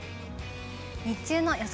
日中の予想